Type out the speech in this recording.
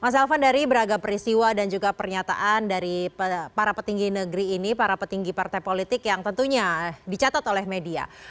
mas elvan dari beragam peristiwa dan juga pernyataan dari para petinggi negeri ini para petinggi partai politik yang tentunya dicatat oleh media